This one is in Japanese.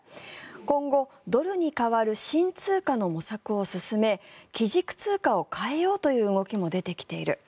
今後、ドルに代わる新通貨の模索を進め基軸通貨を変えようという動きも出てきている。